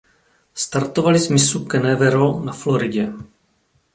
Startovali z mysu Canaveral na Floridě.